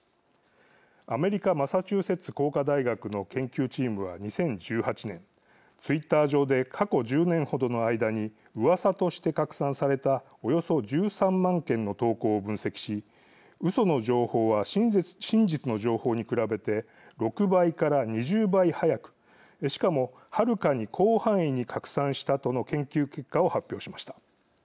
アメリカ・マサチューセッツ工科大学の研究チームは２０１８年、ツイッター上で過去１０年程の間にうわさとして拡散されたおよそ１３万件の投稿を分析しうその情報は真実の情報に比べて６倍から２０倍速くしかも、はるかに広範囲に拡散したとの研究結果を発表しました。